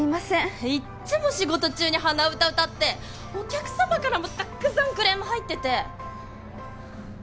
いっつも仕事中に鼻歌歌ってお客さまからもたくさんクレーム入ってて！